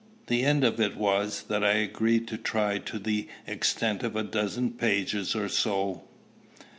The end of it was, that I agreed to try to the extent of a dozen pages or so.